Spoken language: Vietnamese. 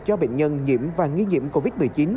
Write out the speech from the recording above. cho bệnh nhân nhiễm và nghi nhiễm covid một mươi chín